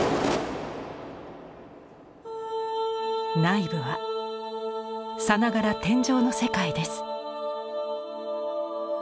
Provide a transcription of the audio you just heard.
内部はさながら天上の世界です。